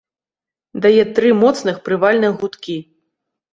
Дае тры моцных прывальных гудкі.